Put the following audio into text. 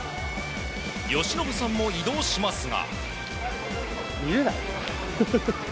由伸さんも移動しますが。